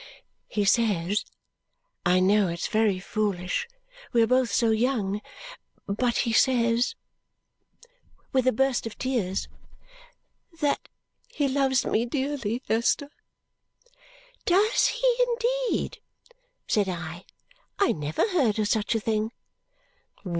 "He says I know it's very foolish, we are both so young but he says," with a burst of tears, "that he loves me dearly, Esther." "Does he indeed?" said I. "I never heard of such a thing!